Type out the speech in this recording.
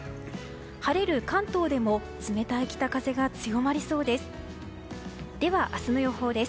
晴れる関東でも冷たい北風が強まりそうです。